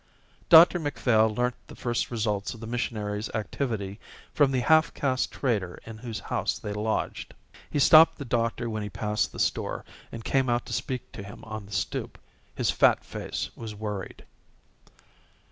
Dr Macphail learnt the first results of the missionary's activity from the half caste trader in whose house they lodged. He stopped the doctor when he passed the store and came out to speak to him on the stoop. His fat face was worried.